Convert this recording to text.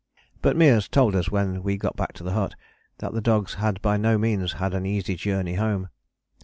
But Meares told us when we got back to the hut that the dogs had by no means had an easy journey home.